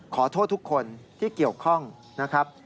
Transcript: ขอโทษทุกคนที่เกี่ยวข้องนะครับ